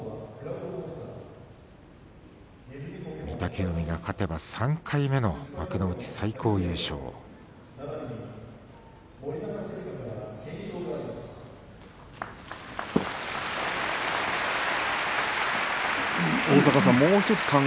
御嶽海が勝てば３回目の幕内最高優勝です。